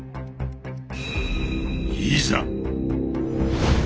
いざ。